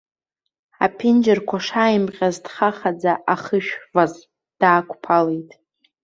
Аԥенџьырқәа шааимҟьаз дхахаӡа ахышәваз даақәԥалеит.